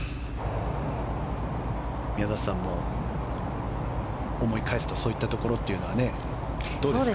宮里さんも思い返すとそういったところはどうですか。